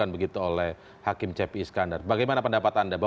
berita program kaukast